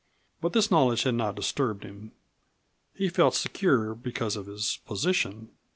But this knowledge had not disturbed him. He felt secure because of his position.